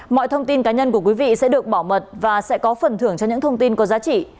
mọi thông tin cá nhân của quý vị sẽ được bảo mật và sẽ có phần thưởng cho những thông tin có giá trị